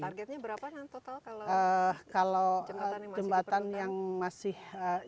targetnya berapa kan total kalau jembatan yang masih diperlukan